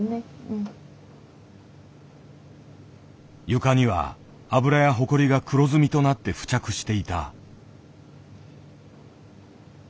床には油やほこりが黒ずみとなって付着していた。